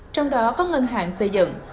trong đó có ngân hàng xây dựng